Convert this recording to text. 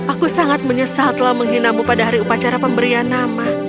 aku sangat menyesal telah menghinamu pada hari upacara pemberian nama